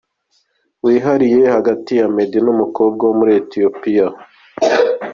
wihariye hagati ya Meddy n’uyu mukobwa wo muri Ethiopie.